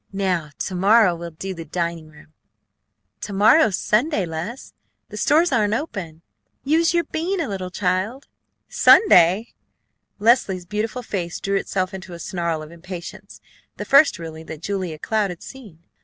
"Now to morrow we'll do the dining room." "To morrow's Sunday, Les; the stores aren't open. Use your bean a little, child." "Sunday!" Leslie's beautiful face drew itself into a snarl of impatience, the first, really, that Julia Cloud had seen.